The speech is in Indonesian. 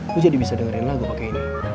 lu jadi bisa dengerin lagu pake ini